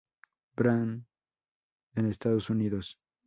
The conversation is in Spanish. Bank en Estados Unidos.